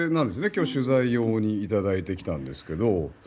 今日、取材用にいただいてきたんですけど。